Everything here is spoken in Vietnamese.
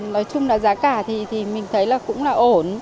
nói chung là giá cả thì mình thấy là cũng là ổn